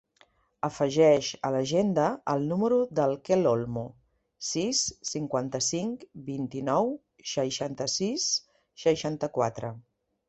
Afegeix a l'agenda el número del Quel Olmo: sis, cinquanta-cinc, vint-i-nou, seixanta-sis, seixanta-quatre.